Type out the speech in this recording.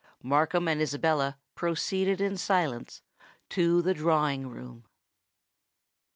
Markham and Isabella proceeded in silence to the drawing room.